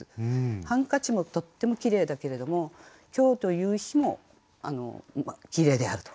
ハンカチもとってもきれいだけれども今日という日もきれいであると。